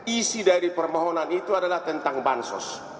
isi dari permohonan itu adalah tentang bansos